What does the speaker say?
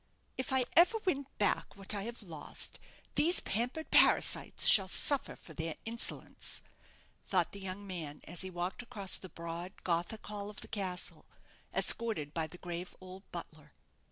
"If ever I win back what I have lost, these pampered parasites shall suffer for their insolence," thought the young man, as he walked across the broad Gothic hall of the castle, escorted by the grave old butler.